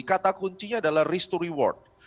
kata kuncinya adalah risk to reward